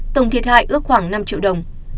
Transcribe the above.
tổng thiệt hại ước khoảng năm triệu đồng